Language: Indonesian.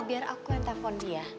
biar aku yang telpon dia